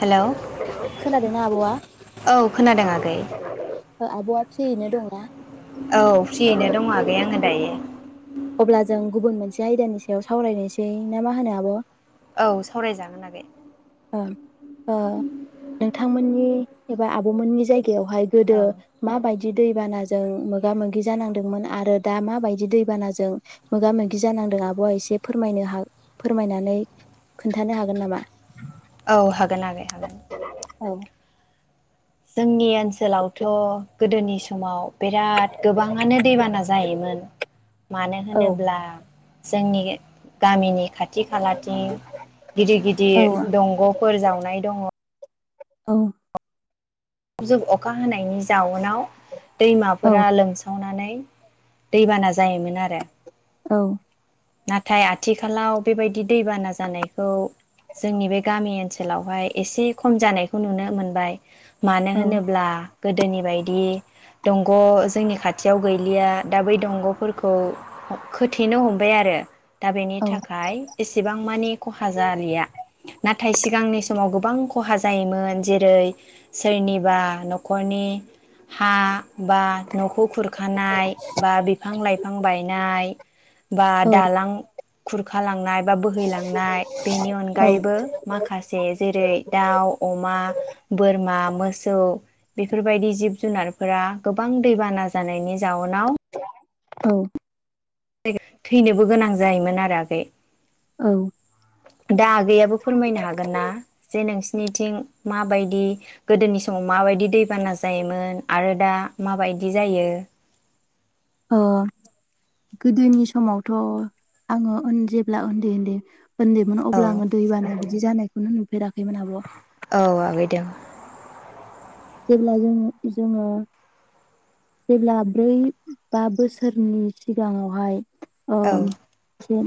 Hello खोनादोंना आब'आ औ खोनादों आगै। ओ आब'आ फ्रियैनो दङ। औ फ्रियैनो दङ आगै आङो दायो। अब्ला जों गुबुन मोनसे आयदानि सायाव सावरायनोसै ना मा होनो आब'? औ सावरायजागोन आगै। ओ‌म ओ नोंथांमोननि एबा आब' मोननि जाय गायावहाय गोदो औ मााबायदि दैबानाजों मोगा मोगि जानांदोंमोन आरो दा माबायदि दैबानाजों मोगा मोगि जानांदों आब'आ एसे फोरमायनो हाग फोरमायनानै खोन्थानो हागोन नामा? [inaudible] औ हागोन आगै हागोन। औ। जोंनि ओनसोलावथ' गोदोनि समाव बिराद गोबाङानो दैबाना जाहैयोमोन मानो औ होनोब्ला जोंनि गामिनि खाथि खालाथिं गिदिर औ गिदिर दंगफोर जावनाय दङ। औ। जुब अखा हानाय। इनि जाउनाव औ दैमाफोरा लोमसावनानै [unintelligible] दै बाना जायोमोन आरो। औ। नाथाय आथिखालाव बेबायदि दैबाना जानायखौ जोंनि बे गामि ओनसोलावहाय एसे खम जानायखौ नुनो मोनबाय। मानो औ होनोब्ला गोदोनि बायदि दंग जोंनि खाथियाव गैलिया दा बै दंगफोरखौ ह खोथेनो हम बाय आरो। दा बेनि औ थाखाय एसेबां मानि खहा जालिया नाथाय सिगांनि समाव गोबां खहा जायोमोन जेरै सोरनिबा नख'रनि हा बा न'खौ खुरखानाय बा बिफां-लाइफां बायनाय। बा दालां खुरखा लांनाय। बा बोहैलांनाय बेनि औ अनगायैबो माखासे जेरै दाउ, अमा, बोरमा मोसौ बेफोरबायदि जिब जुनारफोरा गोबां दैबाना जानायनि जाउनाव औ। [unintelligible] थैनोबो गोनां जायोमोन आरो आगै। औ। दा आगैयाबो फोरमायनो हागोन ना जे नोंसिनिथिं माबायदि गोदोनि समाव माबायदि दैबाना जायोमोन आरो दा माबायदि जायो? ओ गोदोनि समावथ' आङो ओन जेब्ला उन्दै उन्दै ओन्दैमोन औ अब्ला आङो दै बाना बिदि जानाय नुफेराखैमोन आब'। औ आगैदों । जेब्ला जोंङो जोङो जेब्ला ब्रै बा बोसोरनि सिगाङावहाय। अ जों।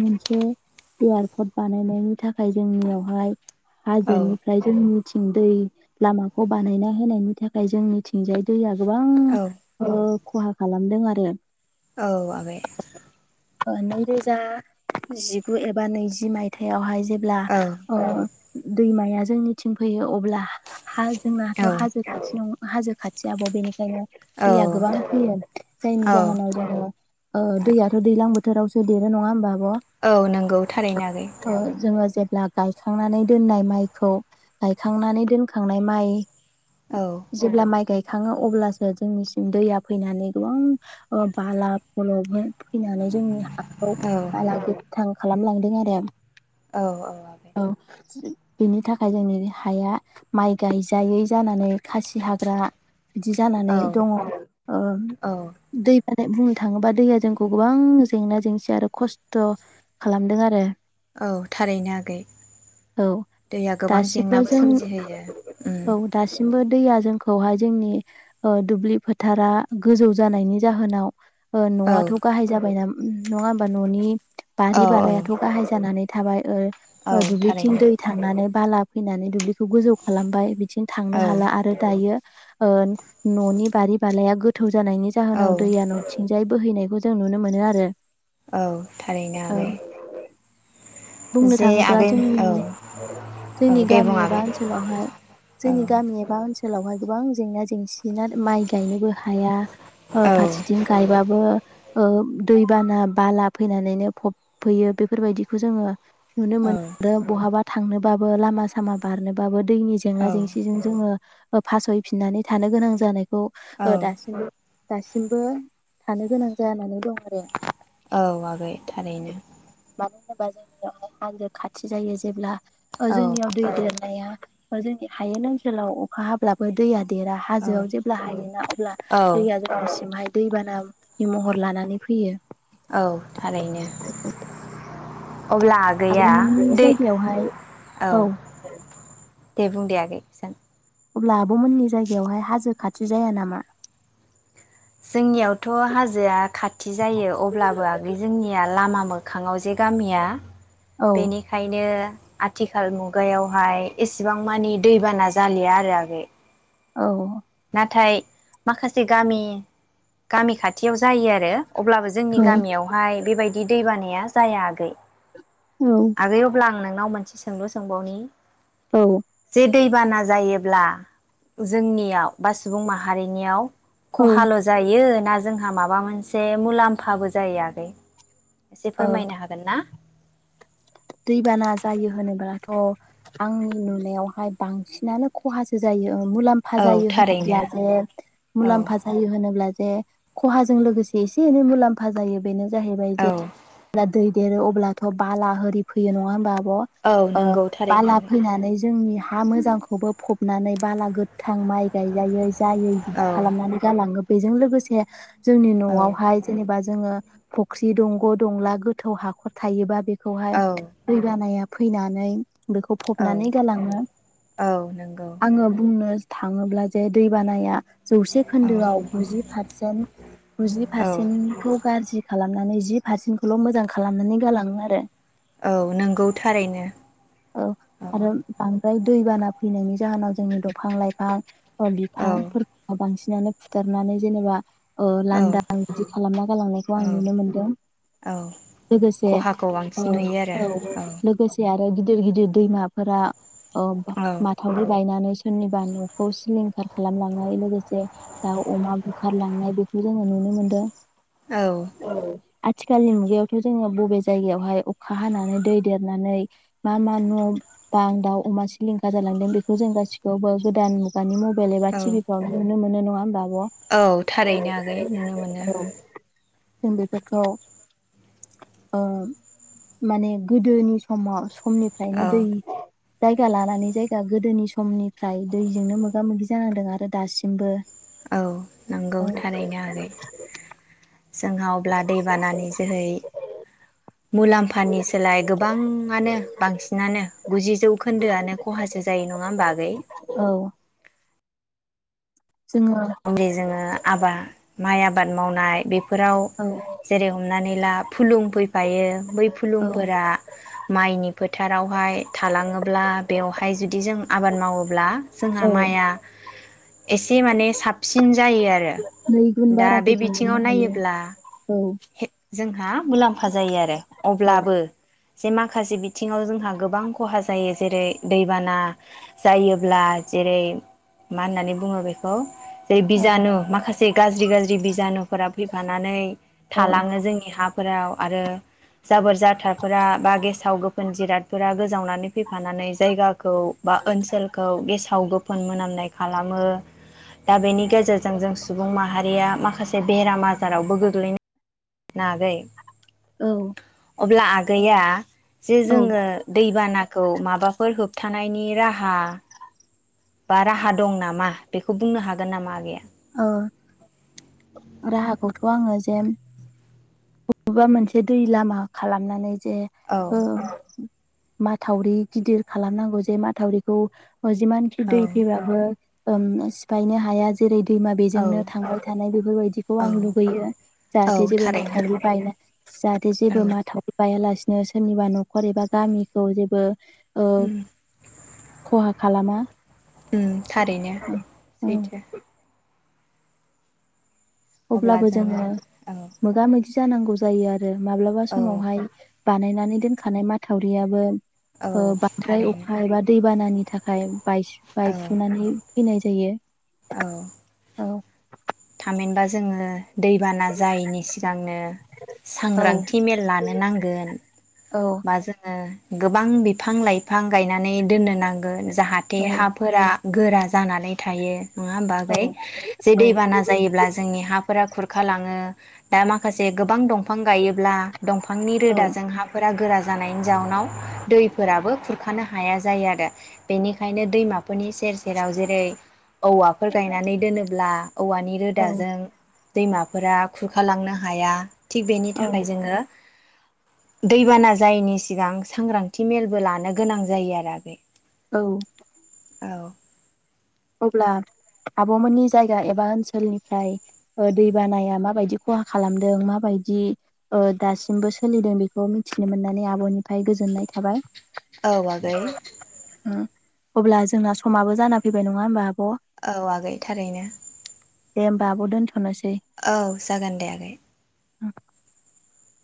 मोनसे एयारपर्ट बानायनायनि थाखाय जोंनियावहाय। हाजो औ निफ्राय जोंनि। जोंनिथिं दै लामाखौ बानायना होनायनि थाखाय जोंनिथिंजाय दैया। गोबां औ ओ खहा खालामदों आरो औ आगै नैरोजा जिगु एबा नैजि मायथाइवहाय जेब्ला औ अ दैमाया जोंनिथिं फैयो अब्ला हा जोंना हाथाव हाजो खाथि दं हाजो खाथि आब बेनिख ओंखायनो औ दैया गोबां फैयो जायनि औ जाहोनाव जेनेबा ओ दैयाथ दैज्लां बोथोरावसो देरो नङा होमबा आब' औ नंगौ थारैनो आगै ला गायखांनानै दोननाय माइखौ गायखांनानै दोनखांनाय माइ औ जेब्ला माइ गाय खाङो अब्लासो जोंनिसिम दैया फैनानै गोबां बाला फलबह फैनानै जोंनि हाखौ औ [unintelligible] खालामलांदों आरो औ औ आगै औ बेनि थाखाय जोंनि हाया माइ गायजायै जानानै खासि हाग्रा बिदि जानानै औ दङ ओं औ दै नाथाय बुंनो थाङोबा दैया जोंखौ गोबां जेंना जेंसि आरो खस्थ थ खालामदों आरो औ थारैनो आगै औ दैया गोबां दासिमबो जेंनाबो जों सोमजिहोयो औ दासिमबो दैया जोंखौहाय जोंनि दुब्लि फोथारा गोजौ जानायनि जाहोनाव औ नआथ गाहाय जाबायना नङाबा ननि औ बारि औ बालायाथ गाहाय जानानै थाबाय औ ओ दुब्लिथिं थारैनो दै थांनानै बाला फैनानै दुब्लि खौ गोजौ खालामबाय बिदिनो थांनो औ हाला आरो दायो। ओ ननि बारि बाालाया गोथौ जानायनि जाहोनाव औ दैया नथिंजाय बोहैनायखौ जों नुनो मोनो आरो। औ थारैनो ओ आगै। बुंनो जे थाङोब्ला आगै औ जोंनि औ जोंनि दे बुं गामि एबा आगै ओनसोलावहाय औ जोंनि गामि एबा ओनसोल सोलावहाय गोबां जेंना जेंसिना माइ गायनोबो हाया। ओ औ फारसेथिं गायबाबो औ दैबाना बाला फैनानैनो फब फैयो बेफोरबायदिखौ जोङो। नुनो औ मोन दो बहाबा थांनोबाबो लामा सामा बारनोबाबो दैनि जेंना औ जेंसिजों जोङो। ओ फासयफिननानै थानो गोनां जानाय खौ औ ओ दासिमबो दासिमबो थानो गोनां जानानै दं आरो। औ आगै थारैनो। मानो होनोबा जोंनियावहाय हाजो खाथि जायो जेब्ला ओ औ जोंनियाव दै देर ओ जोंनि हायेन ओनसोलाव अखा हाब्लाबो दैया देरा औ हाजोआव जेब्ला हायोना अ ब्ला औ दैया गोबांसिमहाय दैबानानि महर लानानै फैयो। औ थारैनो अब्ला आगैया आब'मोननि दै जायगायावहाय औ दे बुं दे आगै जां अब्ला आबमोननि जायगायावहाय हाजो खाथि जाया नामा? जोंनियावथ हाजोआ खा थि जायो अब्लाबो आगै जोंनिया लामा मोखाङाव जे गामिया। औ बेनिखायनो आथिखाल मुगायावहाय एसेबां मानि दैबाना जालिया आरो आगै। औ नाथाय माखासे गामि गामि खाथि बियाव जायो आरो अब्लाबो जोंनि औ गामियावहाय बेबायदि दै बानाया जाया। गै औ आगै अब्ला आं नों नाव मोनसे सोंलु सोंबावनि। औ जे दैबाना जायोब्ला जोंनियाव बा सुबुं माहारिनियाव औ खहाल' जायो ना जोंहा माबा मोनसे मुलाम्फाबो जाय आगै एसे औ फोरमायनो हागोन ना? दैबाना जायो होनोब्लाथ' आंनि नुनायावहाय बांसिनानो खहासो जायो। ओ मुलाम्फा औ जायो होनोब्ला थारैनो जे औ मुलामफा जायो होनोब्ला जे खहाजों लोगोसे एसे एनै मुलाम्फा जायो बेनो जाहैबाय जे औ ब्ला दै देरो अब्लाथ बाला होरि फैयो नङा होमबा आ ब' औ ओ नंगौ थारैनो बाला आगै फैनानै जो जोंनि हा मोजांखौबो फबनानै बाला गोथां माइ गायजायै जायै बिदि औ खालामनानै गालाङो बेजों लोगोसे जोंनि औ न'आवहाय जेनेबा जोङो फुख्रि दंग' दंला गोथौ हाखर थायोबा बेखौ औ दै बानाया फैनानै बेखौ औ फबनानै गालाङो औ नंगौ आङो बुंनो थाङोब्ला जे दै बानाया जौसे औ खोन्दोआव गुजि पारसेन गुजि औ पारसेन्टखौ गाज्रि खालामनानै जि पारसेन्खौल' मोजां खालामनानै गालाङो आरो। औ नंगौ थारैनो औ द्राय दैबाना फैनायनि जाहोनाव जोंनि दंफां-लाइफां औ बिफांफोरखौ बांसिन नै फुथारनानै जेनेबा ओ औ लांदां बिदि खालामना गालांनायखौ औ आं नुनो मोनदों औ लोगोसे खहाखौ ओ बांसिन नुयो आरो औ लोगोसे आरो बे गिदिर गिदिर दैमाफोरा अ औ माथावरि बायनानै सोरनिबा न'खौ सिलिंखार खालामलांनाय लोगोसे दाउ अमा बुखारलांनाय बेखौ जोङो नुनो मोनदों। औ आथिखालनि मुगायावथ जोङो बबे जायगायावहाय अखा खा हानानै दै देरनानै मा मा न बां दाउ अमा सिलिंखार जालांदों बेखौ जों गासिखौबो गोदान मुगानि म बेल एबा औ टिभि फोरावनो नुनो मोन नङा नङा होमबा आब' औ थारैनो आगै नुनो मोनो जों बेफोरखौ ओ माने गोदोनि समाव स समनिफ्रायनो औ दै जायगा लानानै जायगा गोदोनि समनिफ्राय दैजोंनो मोगा मोगि जानांदों आरो दासिमबो औ नंगौ औ थारैनो आगै जोंहा अब्ला दै बानानि जोहै मुलाम्फानि सोलाय गोबाङानो बांसिनानो गुजि जौ खोन्दोआनो खहासो जायो नङा होम बागै जोङो मुलि जोङो आबाद माइ आबाद मावनाय बेफोराव औ जेरै हमनानै लाब फुलुं फैफायो बै औ फुलुंफोरा माइनि फोथारावहाय थालाङोब्ला बेवहाय जुदि जों आबाद मावोब्ला जोंहा औ माइआ एसे माने सिन जायोआरो नै गुन दा बाराखौ बे जों बिाव मोननो हायो नायोब्ला औ जों मुलाम ज औ अे माखासे बि जों गोबांहा ज जायो जेरै दैबाना जायोब्ला जेरै मा होननानै बुङो बेखौ जे औ बिजानु माखासे गाज्रि गाज्रि बिजानुफोरा फैफानानै औ थालाङो जोंनि हा फोराव आरो जाबोर जाथारफोरा बा गेसाव गो जिरादफोरा गोज जावनानै फैफानानै जायाखौ बा ओनसोलखौ गेसाव गोफोन मोननाय खालामो दा बेनि गेजेरजों जों सुबुं माहारिया माखासे बेराम आजारावबो गोग्लैनो ह नागै औ अब्ला आगैया जे औ जोङो दैबानाखौ माबाफोर होबथानायनि राह हा बा राहा दं नामा बेखौ बुंनो हागोन नामा आगैया ओ राहाखौथ आङो जेम बबेबा मोनसे दै लामा खालामनानै जे औ ओ माथावरि गिदिर खालामनांगौ जे माथावरिखौ अ जिमानखि औ दै फैबाबो [unintelligible] सिफायनो हाया जेरै [unintelligible] औ बेजोंनो थांबाय थानाय बेफोरबायदिखौ औ आं लुुबैयो औ जाहाथे जेबो थारैनो मावथारै [inaudible] जाहाथे औ जेबो माथाव बायालासेनो सोरनिबा नखर एबा गामिखौ जेबो ओ उम खहा खालामा उम थारैनो ओं सैथो । अब्लाबो जोङो औ मोगा मोगि जानांगौ जायो आरो आरो माब्लाबा औ समावहाय बानायनानै दोनखानाय माथावरियाबो औ ओ बांद्राय थारैनो अखा एबा दैबानानि थाखाय बायस औ बायफ्रुरुनानै फैनाय जायो औ औ थामहिनबा जोङो दैबाना जायैनि सिगांनो औ सांग्रांथि मेल लानो नांगोन औ बा जोङो गोबां बिफां लाइफां गायनानै दोननो नांगोन जाहाथे औ हाफोरा गोरा जानानै थायो। नङा होमबा औ आगै? जे औ दैबाना जोंनि हाफोरा खुरखा लाङो, दा माखासे गोबां दं। दंफां गायोब्ला दंफांनि औ रोदाजों हाफोरा गोरा जा जानायनि जाउनाव दैफोराबो खुरखानो हाया जायो आरो बेनिखायनो दैमाफोरनि सेर सेराव जेरै औवाफोर गायनानै दोनोब्ला औवानि औ रोदाजों दैमाफोरा खुरखालांनो हाया। थिग बेनि थाखाय जोङो दैबाना जायैनि सिगां सांग्रांथि मेलबो लानो गोनां जायो आरो आगै। औ औ अब्ला आब'मोननि जायगा एबा ओनसोलनिफ्राय ओ दैबानाया माबायदि खहा खालामदों माबायदि ओ दासिमबो सोलिदों, बेखौ मिथिनो मोननानै आब'निफ्राय गोजोननाय थाबाय। औ आगै। अब्ला जोंना समाबो जाना फै बाय नङा होमबा आब'। औ आगै थारैनो। दे होमबा आब दोनथ'। औ जागोन दे आगै। [inaudible]